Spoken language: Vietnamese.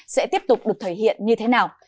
sẽ tiếp tục được thể hiện như thế nào